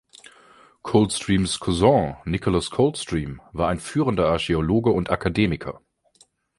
Coldstreams Cousin, Nicolas Coldstream, war ein führender Archäologe und Akademiker.